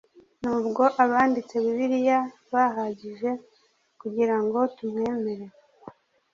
nubwo abanditse bible bahagije kugiranga tumwemere